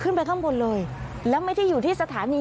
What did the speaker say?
ขึ้นไปข้างบนเลยแล้วไม่ได้อยู่ที่สถานี